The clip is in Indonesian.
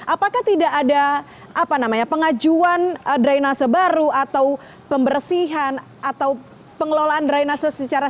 apakah tidak ada pengajuan drainase baru atau pembersihan atau pengelolaan drainase secara